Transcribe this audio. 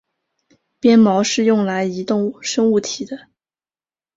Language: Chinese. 鞭毛是用来移动生物体的。